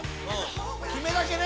決めだけね。